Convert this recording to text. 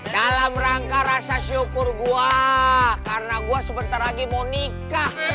dalam rangka rasa syukur gue karena gue sebentar lagi mau nikah